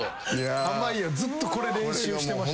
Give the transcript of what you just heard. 濱家はずっとこれ練習してました。